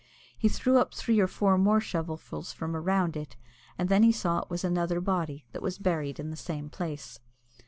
He threw up three or four more shovelfuls from around it, and then he saw that it was another body that was buried in the same place.